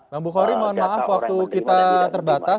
mbak bukhori mohon maaf waktu kita terbatas